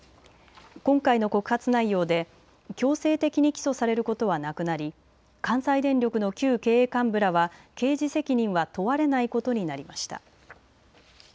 今回の告発内容で強制的に起訴されることはなくなり関西電力の旧経営幹部らは刑事責任は問われないことになりました。